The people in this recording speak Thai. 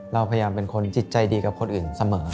เราพยายามเป็นคนจิตใจดีกับคนอื่นเสมอ